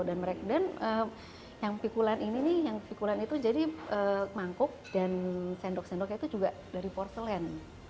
dan yang pikulan ini nih yang pikulan itu jadi mangkuk dan sendok sendoknya itu juga dari porselen